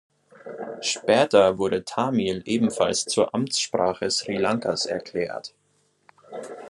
Später wurde Tamil ebenfalls zur Amtssprache Sri Lankas erklärt.